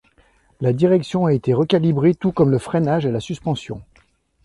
La direction a été recalibrée, tout comme le freinage et la suspension.